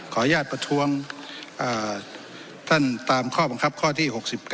อนุญาตประท้วงท่านตามข้อบังคับข้อที่๖๙